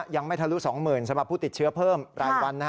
ไม่ทะลุ๒๐๐๐สำหรับผู้ติดเชื้อเพิ่มรายวัน